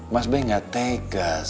mas baik enggak tegas